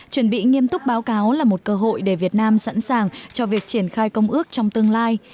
chuẩn bị nghiêm túc báo cáo là một cơ hội để việt nam sẵn sàng cho việc triển khai công ước trong tương lai